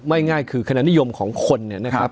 ง่ายคือคะแนนนิยมของคนเนี่ยนะครับ